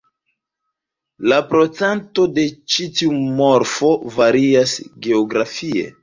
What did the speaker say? La procento de ĉiu morfo varias geografie.